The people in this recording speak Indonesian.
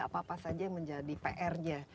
apa apa saja yang menjadi pr nya